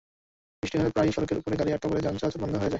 বৃষ্টি হলে প্রায়ই সড়কের ওপরে গাড়ি আটকা পড়ে যানচলাচল বন্ধ হয়ে যায়।